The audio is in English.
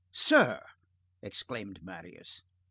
"Sir!" exclaimed Marius.